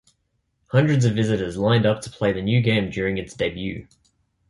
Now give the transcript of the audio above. Hundreds of visitors lined up to play the new game during its debut.